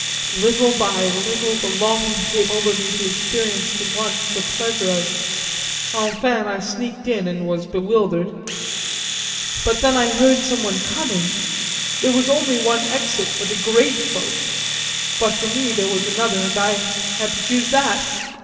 Little by little the longing came over me to experience for once the pleasure of enfin, I sneaked in and was bewildered. But then I heard someone coming there was only one exit for the great folk, but for me there was another, and I had to choose that.